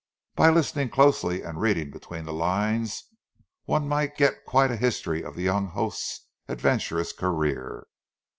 By listening closely and reading between the lines, one might get quite a history of the young host's adventurous career.